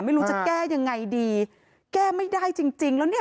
ไม่รู้จะแก้อย่างไรดีแก้ไม่ได้จริงแล้วนี่